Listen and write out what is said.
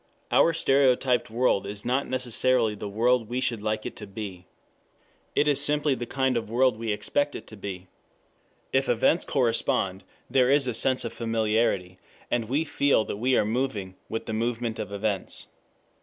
Our stereotyped world is not necessarily the world we should like it to be. It is simply the kind of world we expect it to be. If events correspond there is a sense of familiarity, and we feel that we are moving with the movement of events.